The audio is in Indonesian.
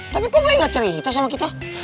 tapi kok boy gak cerita sama kita